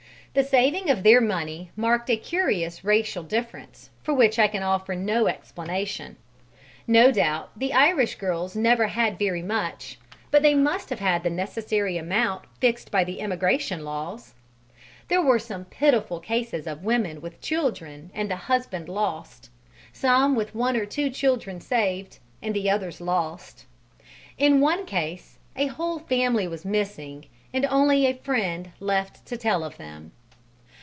The saving of their money marked a curious racial difference, for which I can offer no explanation: no doubt the Irish girls never had very much but they must have had the necessary amount fixed by the immigration laws. There were some pitiful cases of women with children and the husband lost; some with one or two children saved and the others lost; in one case, a whole family was missing, and only a friend left to tell of them.